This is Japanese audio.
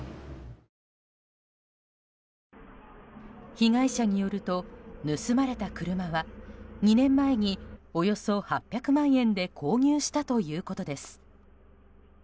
被害者によると、盗まれた車は２年前におよそ８００万円で購入したということです。